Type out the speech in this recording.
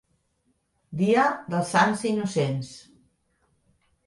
Dia dels Sants Innocents.